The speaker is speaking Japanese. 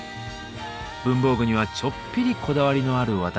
文房具にはちょっぴりこだわりのある私